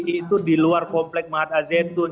itu di luar komplek mahat azeitun